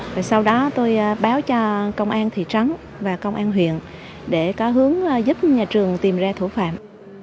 rồi sau đó tôi báo cho công an thị trấn và công an huyện để có hướng giúp nhà trường tìm ra thủ phạm